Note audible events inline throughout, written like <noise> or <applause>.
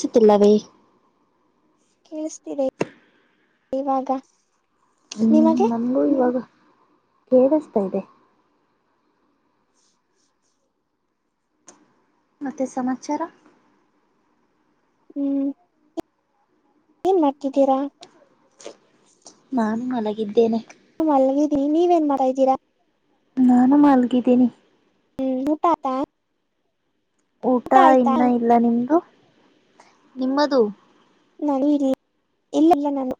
ಸಿತಿಲ್ಲವೇ ಕೇಳಿಸ್ತೀದೇ ಇವಾಗ ಹ್ಮ್ ನಿಮಗೆ ನಮಗು ಇವಾಗ ಕೇಳಸ್ತಾ ಇದೆ ಮತ್ತೆ ಸಮಾಚಾರ ಹ್ಮ್ ಏನ್ ಮಾಡ್ತಿದ್ದೀರಾ ನಾನು ಮಲಗಿದ್ದೇನೆ ಮಲ್ಗಿದಿ ನೀವೇನ್ ಮಾಡ ಇದ್ದೀರಾ? ನಾನು ಮಾಲ್ಗಿದಿನಿ ಹ್ಮ್ ಊಟಾ ಆತಾ ಊಟ ಇನ್ನ ಇಲ್ಲ ನಿಮ್ದು ನಿಮ್ಮದು? ನಾನು ಇಲ್ಲಿ ಇಲ್ಲ ಇಲ್ಲ ನಾನು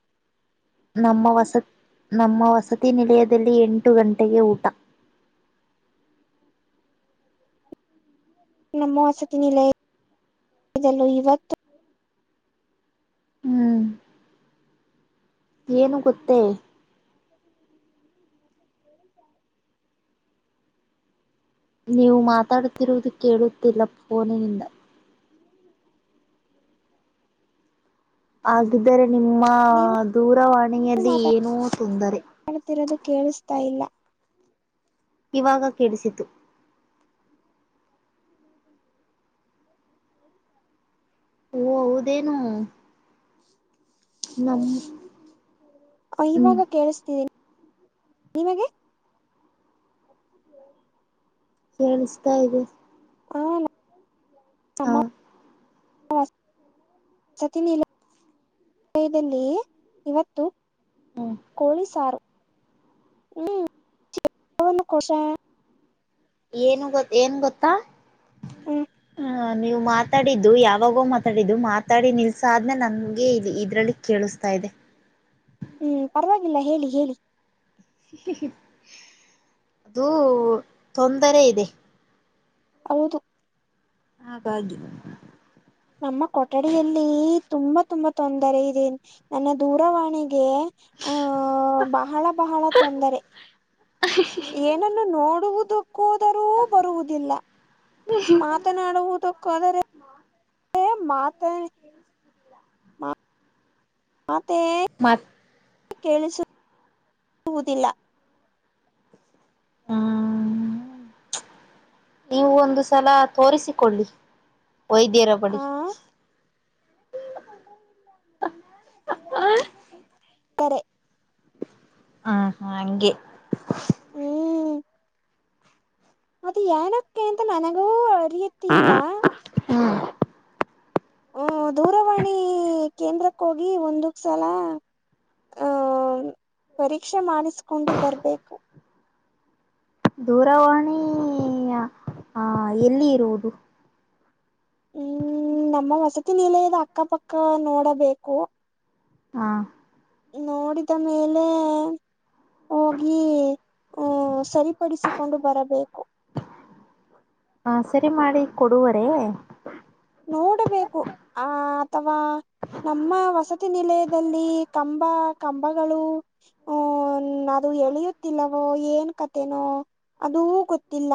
ನಮ್ಮ ವಸತಿ ನಮ್ಮ ವಸತಿ ನಿಲಯದಲ್ಲಿ ಎಂಟು ಗಂಟೆಗೆ ಊಟ ನಮ್ಮ ಹೊಸತಿನಿಲಯದಲ್ಲೂ ಇವತ್ತು ಹ್ಮ್ ಏನು ಗೊತ್ತೇ ನೀವು ಮಾತಾಡುತ್ತಿರುವುದು ಕೇಳುತ್ತಿಲ್ಲ ಫೋನಿನಿಂದ. ಹಾಗಿದ್ದರೆ ನಿಮ್ಮ ನೀವು ದೂರವಾಣಿಯಲ್ಲಿ ಏನೂ ತೊಂದರೆ. ಮಾಡುತಿರೋದು ಕೇಳಿಸ್ತಾ ಇಲ್ಲ. ಇವಾಗ ಕೇಳಿಸಿತು. ಓ ಹೌದೇನು. ನಮ್ ಹ ಹ್ಮ್ ಇವಾಗ ಕೆಳಸ್ತಿದೆ ನಿಮಗೆ. ಕೇಳಿಸ್ತಾ ಇದೆ. ಹಾ ಹ ನಮ್ <unintelligible> <unintelligible> ವಸತಿನಿಲಯದಲ್ಲಿ ಇವತ್ತು ಹ್ಮ್ ಕೋಳಿ ಸಾರು ಹ್ಮ್ <unintelligible> ಏನು ಗೊ ಏನ್ ಗೊತ್ತಾ ಹ್ಮ್ ಹು. ನೀವು ಮಾತಾಡಿದ್ದು ಯಾವಾಗೋ ಮಾತಾಡಿದ್ದು ಮಾತಾಡಿ ನಿಲ್ಸ್ ಆದ್ಮೇ ನನಗೆ ಇ ಇದ್ರಲ್ಲಿ ಕೇಳಿಸ್ತಾ ಇದೆ. ಹ್ಮ್ ಪರವಾಗಿಲ್ಲ ಹೇಳಿ ಹೇಳಿ. ಹಾ ಹಾ ಅದು ತೊಂದರೆ ಇದೆ. ಹೌದು ಹಾಗಾಗಿ, ನಮ್ಮ ಕೊಠಡಿಯಲ್ಲಿ ತುಂಬಾ ತುಂಬಾ ತೊಂದರೆ ಇದೆ ನನ್ನ ದೂರವಾಣಿಗೆ. ಹಹ ಬಹಳ ಬಹಳ ತೊಂದರೆ. ಅ ಹಿ ಹಿ ಹಿ ಏನನ್ನು ನೋಡುವುದಕೋದರೂ ಬರುವುದಿಲ್ಲ ಮಾ ಮಾತನಾಡುವುದಕ್ಕಾದರೆ ಮಾತೆ ಕೇಳುಸುತ್ತಿಲ್ಲ. ಮಾತೆ ಮತ್ ಕೇಳಿಸುತ್ತಿರುವುದಿಲ್ಲ. ಹ್ಮ್ ನೀವು ಒಂದು ಸಲ ತೋರಿಸಿಕೊಳ್ಳಿ. ವೈದ್ಯರ ಬಳಿ. ಆ ಕರೆ ಹ್ಮ ಹಾ ಹಂಗೆ ಹ್ಮ ಅದು ಏನಕ್ಕೆ ಅಂತ ನನಗೂ ಅರಿಯುತಿಲ್ಲ. ಹ್ಮ ಹ್ಮ ದೂರವಾಣಿ ಕೇಂದ್ರಕ್ ಹೋಗಿ ಒಂದು ಸಲ. ಅಹ <inaudible> ಪರೀಕ್ಷೆ ಮಾಡಿಸ್ಕೊಂಡು ಬರ್ಬೇಕು. ದೂರವಾಣಿ ಆ ಎಲ್ಲಿ ಇರುವುದು. ಹ್ಮ್ ನಮ್ಮ ವಸತಿ ನಿಲಯದ ಅಕ್ಕಪಕ್ಕ ನೋಡಬೇಕು. ಹಾ ನೋಡಿದ ಮೇಲೆ ಹೋಗಿ. ಹ್ಮ ಸರಿಪಡಿಸಿಕೊಂಡು ಬರಬೇಕು. ಹ ಸರಿ ಮಾಡಿ ಕೊಡುವರೇ. ನೋಡಬೇಕು ಆ. ಅಥವಾ ನಮ್ಮ ವಸತಿ ನಿಲಯದಲ್ಲಿ ಕಂಬ ಕಂಬಗಳು. ಹ್ಮ ನ ಅದು ಎಳೆಯುತ್ತಿಲ್ಲವೋ ಏನ್ ಕತೆೇನೋ ಅದುೂ ಗೊತ್ತಿಲ್ಲ.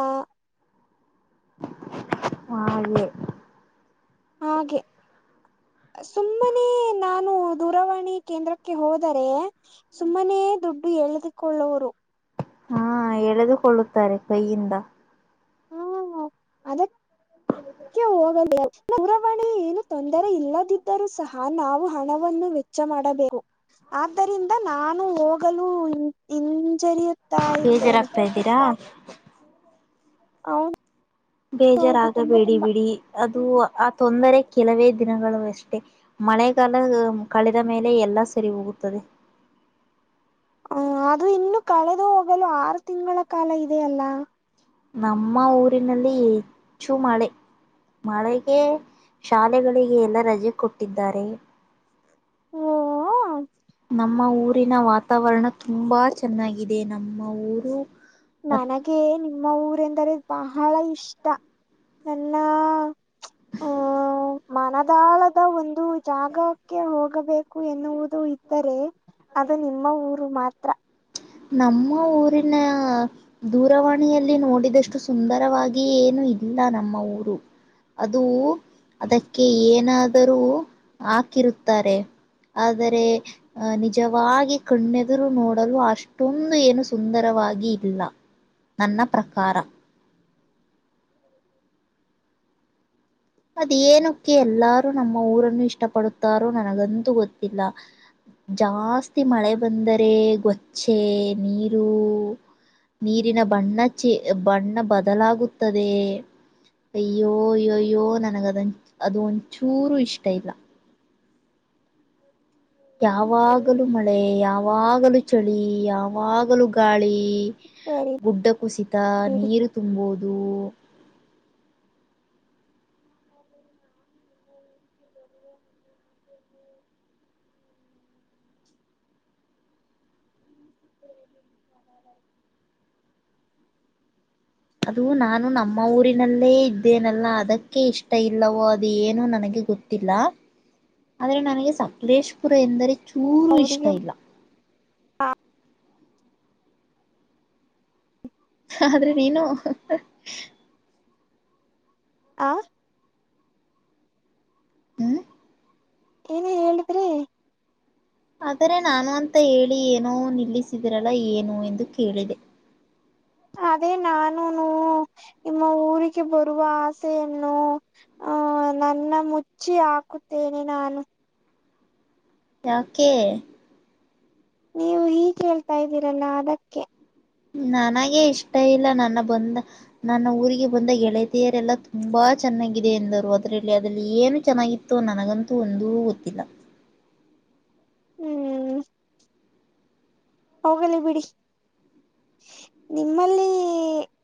ಹಾಗೆ ಹಾಗೆ ಸುಮ್ಮನೆ ನಾನು ದೂರವಾಣಿ ಕೇಂದ್ರಕ್ಕೆ ಹೋದರೆ. ಸುಮ್ಮನೆೇ ದುಡ್ಡು ಎಳೆದುಕೊಳ್ಳುವರು. ಹಾ ಎಳೆದುಕೊಳ್ಳುತ್ತಾರೆ ಕೈಯಿಂದ. ಹಾ ಅದಕ್ <inaudible> <unintelligible> ದೂರವಾಣಿ ಎನು ತೊಂದರೆ ಇಲ್ಲದಿದ್ದರೂ ಸಹ ನಾವು ಹಣವನ್ನು ವೆ ವಚ್ಚ ಮಾಡಬೇಕು ಆದ್ದರಿಂದ ನಾನು ಹೋಗಲು ಹಿಂಜರಿಯು ಬೇಜರಾಗ್ತಾ ಇದ್ದೀರಾ. ಹೌ ಬೇಜಾರಾಗಬೇಡಿ ಬಿಡಿ ಅದು ಆ ತೊಂದರೆ ಕೆಲವೇ ದಿನಗಳು ಅಷ್ಟೆ. ಮಳೆಗಾಲ ಕಳೆದ ಮೇಲೆ ಎಲ್ಲಾ ಸರಿ ಹೋಗುತ್ತದೆ. ಹ ಅದು ಇನ್ನು ಕಳೆದು ಹೋಗಲು ಆರು ತಿಂಗಳ ಕಾಲ ಇದೆಯಲ್ಲಾ. ನಮ್ಮ ಊರಿನಲ್ಲಿ ಹೆಚ್ಚು ಮಳೆ. ಮಳೆಗೆ ಶಾಲೆಗಳಿಗೆ ಎಲ್ಲ ರಜೆ ಕೊಟ್ಟಿದ್ದಾರೆ. ಓ ಹೊ ನಮ್ಮ ಊರಿನ ವಾತಾವರಣ ತುಂಬ ಚೆನ್ನಾಗಿದೆ ನಮ್ಮ ಊರು, ಮ ನನಗೆ ನಿಮ್ಮ ಊರೆಂದರೆ ಬಹಳ ಇಷ್ಟ ನನ್ನ. ಆಹ ಮನದಾಳದ ಒಂದು ಜಾಗಕ್ಕೆ ಹೋಗಬೇಕು ಎನ್ನುವುದು. ವುದು ಇದ್ದರೆ ಅದು ನಿಮ್ಮ ಊರು ಮಾತ್ರ. ನಮ್ಮ ಊರಿನ. ದೂರವಾಣಿಯಲ್ಲಿ ನೋಡಿದಷ್ಟು ಸುಂದರವಾಗಿ ಏನು ಇಲ್ಲ ನಮ್ಮ ಊರು. ಅದು ಅದಕ್ಕೆ ಏನಾದರೂ ಹಾಕಿರುತ್ತಾರೆ. ಆದರೆ ಅ ನಿಜವಾಗಿ ಕಣ್ಣೆದುರು ನೋಡಲು ಅಷ್- - ಷ್ಟೊಂದು ಏನು ಸುಂದರವಾಗಿ ಇಲ್ಲ ನನ್ನ ಪ್ರಕಾರ, ಅದು ಎನುಕ್ಕೆ ಎಲ್ಲಾರೂ ನಮ್ಮ ಊರನ್ನು ಇಷ್ಟ ಪಡುತ್ತಾರೋ ನನಗಂತು ಗೊತ್ತಿಲ್ಲ. ಜಾಸ್ತಿ ಮಳೆ ಬಂದರೆ ಗೊಚ್ಚೆ ನೀರು. ನೀರಿನ ಬಣ್ಣ ಚೆ ಬಣ್ಣ ಬದಲಾಗುತ್ತದೆ. ಅಯ್ಯೋ ಅಯ್ಯೋಯ್ಯೋ ನನಗ ಅದೊನ್ ಅದು ಒಂಚೂರು ಇಷ್ಟ ಇಲ್ಲ. ಯಾವಾಗಲೂ ಮಳೆ ಯಾವಾಗಲೂ ಚಳಿ ಯಾವಾಗಲೂ ಗಾಳಿ. ಸರಿ ಗುಡ್ಡ ಕುಸಿತ ಬಿಡಿ ನೀರು ತುಂಬುವುದು. ಅದು ನಾನು ನಮ್ಮ ಊರಿನಲ್ಲೇ ಇದ್ದೇನಲ್ಲ ಅದಕ್ಕೆ ಇಷ್ಟ ಇಲ್ಲವೋ ಅದು ಏನೋ ನನಗೆ ಗೊತ್- - ತಿಲ್ಲ ಆದ್ರೆ ನನಗೆ ಸಕಲೇಶಪುರ ಎಂದರೆ ಚೂರು ಇಷ್ಟ ಅವರಿಗೆ ಇಲ್ಲ. ಆದ್ರೆ ನೀನು. ಆ ಹ್ಮ ಏನೇ ಹೇಳಿದ್ರಿ ಆದರೆ ನಾನು ಅಂತ ಹೇಳಿ ಏನೋ ನಿಲ್ಲಿಸಿದಿರಲ್ಲ ಏನು ಎಂದು ಕೇಳಿದೆ. ಅದೇ ನಾನುನು <inaudible> ನಿಮ್ಮ ಊರಿಗೆ ಬರುವ ಆಸೆಯನ್ನು. ಹ ನನ್ನ ಮುಚ್ಚಿ ಹಾಕುತ್ತೇನೆ ನಾನು. ಯಾಕೆ. ನೀವು ಹೀಗೆ ಹೇಳ್ತಾ ಇದ್ದೀರಲ್ಲ ಅದಕ್ಕೆ. ನನಗೆೇ ಇಷ್ಟ ಇಲ್ಲ ನನ್ನ ಬಂದ. ನನ್ನ ಊರಿಗೆ ಬಂದ ಗೆಳತಿಯರೆಲ್ಲಾ ತುಂಬಾ ಚೆನ್ನಾಗಿದೆ ಎಂದರು ಅದರಲ್ಲಿ ಅದಲ್ಲಿ ಏನು ಚೆನ್ನಾಗಿ ನನಗಂತೂ ಒಂದೂ ಗೊತ್ತಿಲ್ಲಾ ಹ್ಮ್ ಹೋಗಲಿ ಬಿಡಿ ನಿಮ್ಮಲ್ಲಿ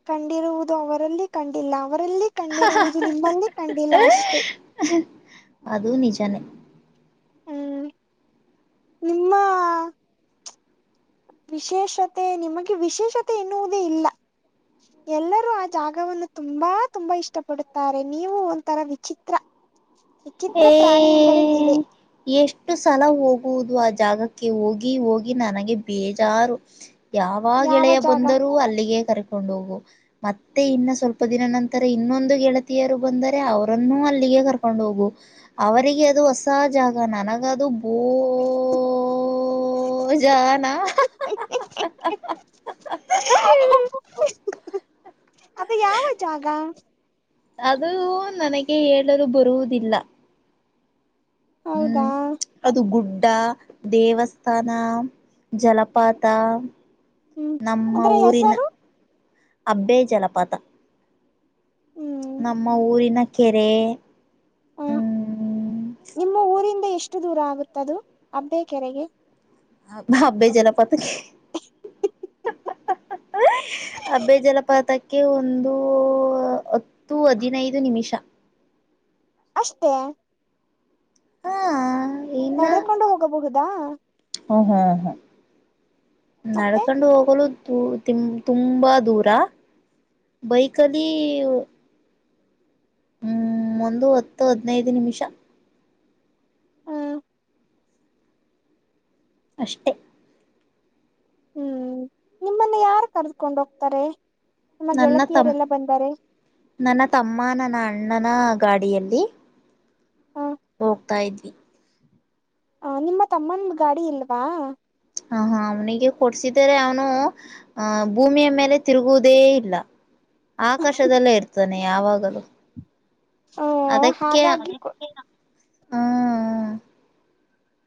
ಕಂಡಿರುವುದು ಅವರಲ್ಲಿ ಕಂಡಿಲ್ಲಾ ಅವರಲ್ಲಿ ಕಂಡಿರುವುದು ನಿಮ್ಮಲ್ಲಿ ಕಂಡಿಲ್ಲಾ ಅಷ್ಟೇ ಅದು ನಿಜಾನೇ. ಹುಂ ನಿಮ್ಮ ವಿಶೇಷತೆ ನಿಮಗೆ ವಿಶೇಷತೆ ಎನ್ನುವುದೇ ಇಲ್ಲಾ ಎಲ್ಲರೂ ಆ ಜಾಗವನ್ನು ತುಂಬಾ ತುಂಬಾ ಇಷ್ಟ ಪಡುತ್ತಾರೆ ನೀವು ಒಂಥರಾ ವಿಚಿತ್ರಾ ಏ ಎಷ್ಟು ಸಲಾ ಹೋಗುವುದು ಆ ಜಾಗಕ್ಕೆ ಹೋಗಿ ಹೋಗಿ ನನಗೆ ಬೇಜಾರು. ಯಾವಾ ಯಾವ ಗೆಳೆಯ ಜಾಗ ಬಂದರೂ ಅಲ್ಲಿಗೆ ಕರ್ಕೊಂಡು ಹೋಗು ಮತ್ತೆ ಇನ್ನು ಸ್ವಲ್ಪ ದಿನ ನಂತರ ಇನ್ನೊಂದು ಗೆಳತಿಯರು ಬಂದರೆ ಅವ್ರನ್ನು ಅಲ್ಲಿಗೆ ಕರ್ಕೊಂಡ್ ಹೋಗು. ಅವರಿಗೆ ಅದು ಹೊಸ ಜಾಗಾ ನನಗದು ಬೋ... ಓ ಜಾನಾ <inaudible> ಅದು ಯಾವ ಜಾಗಾ ಅದು ನನಗೆ ಹೇಳಲು ಬರುವುದಿಲ್ಲಾ ಹೌದಾ ಅದು ಗುಡ್ಡಾ ದೇವಸ್ಥಾನಾ ಜಲಪಾತಾ ಹ್ಮ್ ನಮ್ಮ ಅದ್ರ ಊರಿನ ಹೆಸರು ಅಬ್ಬೆ ಜಲಪಾತಾ ಹ್ಮ್ ನಮ್ಮ ಊರಿನ ಕೆರೆ ಹುಂ ಹ್ಮ್ ನಿಮ್ಮ ಊರಿಂದ ಎಷ್ಟು ದೂರ ಆಗುತ್ತದು ಅಬ್ಬೆ ಕೆರೆಗೆ ಹ ಹಬ್ಬೆ ಜಲಪಾತ ಕೆ <inaudible> ಅಬ್ಬೆ ಜಲಪಾತಕ್ಕೆ ಒಂದು ಹತ್ತು ಹದಿನೈದು ನಿಮಿಷಾ. ಅಷ್ಟೇ ಹಾ ನಡೆಕೊಂಡು ಹೋಗಬಹುದಾ ಹ ಹ್ಮ್ ಹ್ಮ ಮತ್ತೆ ನಡ್ಕೊಂಡು ಹೋಗಲು ದೂ ತುಂಬಾ ದೂರಾ ಬೈಕಲ್ಲಿ ಹುಂ ಒಂದು ಹತ್ತು ಹದನೈದು ನಿಮಿಷಾ. ಹ ಅಷ್ಟೇ ಹುಂ ನಿಮ್ಮನ್ನ ಯಾರು ಕರೆದುಕೊಂಡ್ ಹೋಗ್ತಾರೆ ನಿಮ್ಮ ನನ್ನ ತಮ್ಮ ಗೆಳತಿಯರೆಲ್ಲಾ ಬಂದ್ದರೆ. ನನ್ನ ತಮ್ಮಾ ನನ್ನ ಅಣ್ಣನ ಗಾಡಿಯಲ್ಲಿ ಹ ಹೋಗ್ತಾ ಇದ್ವಿ ಆ ನಿಮ್ಮ ತಮ್ಮನ ಗಾಡಿ ಇಲ್ವಾ. ಹಾ ಹಾ ಅವನಿಗೆ ಕೊಡ್ಸಿದಾರೆ ಅವನು ಆ ಭೂಮಿಯ ಮೇಲೆ ತಿರುಗುವುದೇ ಇಲ್ಲಾ ಆಕಾಶದಲ್ಲೇ ಇರ್ತಾನೆ ಯಾವಾಗಲೂ. ಹ ಅದಕ್ಕೆ ಹಾಗಾಗಿ ಹುಂ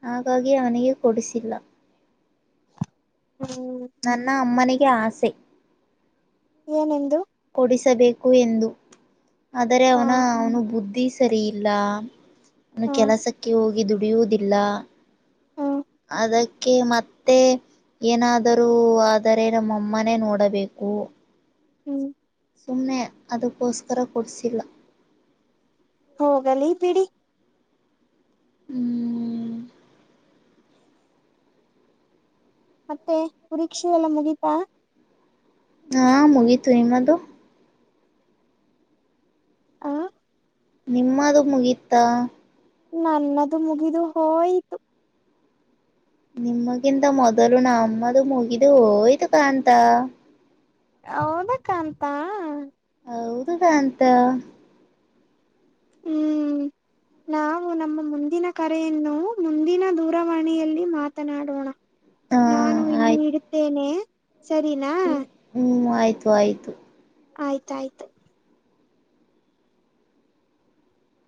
ಹಾಗಾಗಿ ಅವನಿಗೆ ಕೊಡಿಸಿಲ್ಲಾ ಹುಂ ನನ್ನ ಅಮ್ಮನಿಗೆ ಆಸೆ ಏನೆಂದು. ಕೊಡಿಸಬೇಕು ಎಂದು ಆದರೆ ಹಾ ಅವನ ಅವ್ನು ಬುದ್ಧಿ. ಸರಿ ಇಲ್ಲ ಅವನು ಹಾ ಕೆಲಸಕ್ಕೆ ಹೋಗಿ ದುಡಿಯುವುದಿಲ್ಲ. ಹಾ ಅದಕ್ಕೆ ಮತ್ತೆ. ಏನಾದರೂ ಆದರೆ ನಮ್ ಅಮ್ಮನೇ ನೋಡಬೇಕು. ಹ್ಮ್ ಸುಮ್ನೆ ಅದಕ್ಕೋಸ್ಕರ ಕೊಡಿಸಿಲ್ಲ. ಹೋಗಲಿ ಬಿಡಿ. ಹ್ಮ್ ಮತ್ತೆ ಪರೀಕ್ಷೆ ಎಲ್ಲ ಮುಗೀತಾ. ಹಾ ಮುಗಿತು ನಿಮ್ಮದು. ಆ ನಿಮ್ಮದು ಮುಗೀತಾ. ನನ್ನದು ಮುಗಿದು ಹೋಯ್ತು. ನಿಮಗಿಂತ ಮೊದಲು ನಮ್ಮದು ಮುಗಿದು ಹೋಯ್ತು ಕಂತ. ಹೌದ ಕಾಂತ. ಹೌದು ಕಾಂತ. ಹ್ಮ್ ನಾವು ನಮ್ಮ ಮುಂದಿನ ಕರೆಯನ್ನು ಮುಂದಿನ ದೂರವಾಣಿಯಲ್ಲಿ ಮಾತನಾಡೋಣ. ಹಾ ನಾನು ಇನ್ನು ಇಡುತ್ತೇನೆ ಸರಿ ನಾ. ಹ್ಮ್ ಹ್ಮ್ ಆಯ್ತು ಆಯ್ತು. ಆಯ್ತಾಯ್ತು.